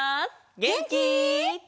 げんき？